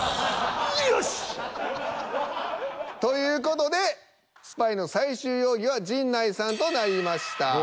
よしっ！という事でスパイの最終容疑は陣内さんとなりました。